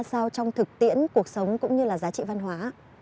làm sao trong thực tiễn cuộc sống cũng như là giá trị văn hóa